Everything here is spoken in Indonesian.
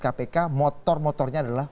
kpk motor motornya adalah